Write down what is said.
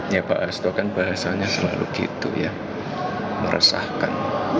ya pak hasto kan bahasanya selalu gitu ya meresahkan